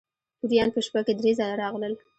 توریان په شپه کې درې ځله راغلل.